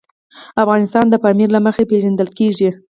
افغانستان د پامیر له مخې پېژندل کېږي.